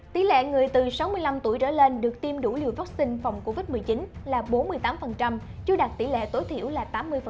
tỷ lệ người từ sáu mươi năm tuổi trở lên được tiêm đủ liều vaccine phòng covid một mươi chín là bốn mươi tám chưa đạt tỷ lệ tối thiểu là tám mươi